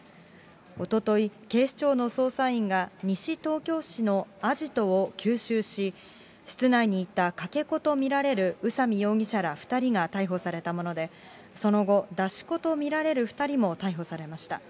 おととい、警視庁の捜査員が西東京市のアジトを急襲し、室内にいたかけ子と見られる宇佐美容疑者ら２人が逮捕されたもので、その後、出し子と見られる２人も逮捕されました。